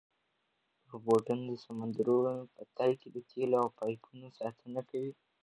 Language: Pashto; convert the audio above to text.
روبوټونه د سمندرونو په تل کې د تېلو د پایپونو ساتنه کوي.